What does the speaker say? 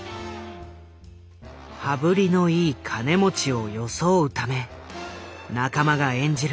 羽振りのいい金持ちを装うため仲間が演じる